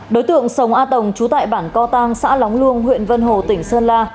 đối tượng sông a tồng trú tại bản co tăng xã lóng luông huyện vân hồ tỉnh sơn la